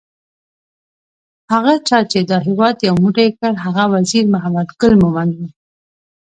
هغه چا چې دا هیواد یو موټی کړ هغه وزیر محمد ګل مومند وو